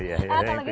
oh paling deket